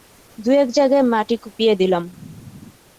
দু-এক জায়গায় মাটি কুপিয়ে দিলাম।